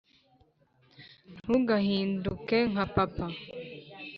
ntugahinduke nka papa,